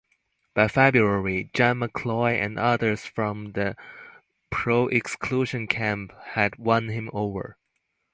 By February, John McCloy and others from the pro-exclusion camp had won him over.